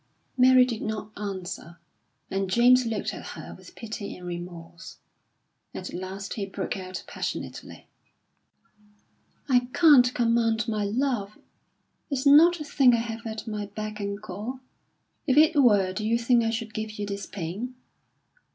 Mary did not answer, and James looked at her with pity and remorse. At last he broke out passionately: "I can't command my love! It's not a thing I have at my beck and call. If it were, do you think I should give you this pain?